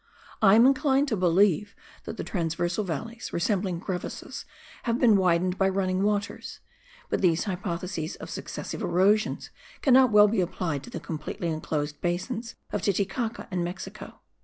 I am inclined to believe that the transversal valleys, resembling crevices, have been widened by running waters; but these hypotheses of successive erosions cannot well be applied to the completely enclosed basins of Titicaca and Mexico.